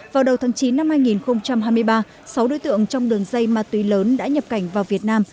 vào đầu tháng chín năm hai nghìn hai mươi ba sáu đối tượng trong đường dây ma túy lớn đã nhập cảnh vào việt nam